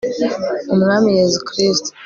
umwami yezu kristu